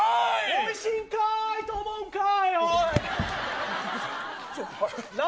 おいしいんかいと思うんかい。